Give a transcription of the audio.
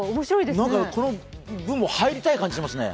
この部も入りたい気がしますね。